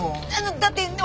だってね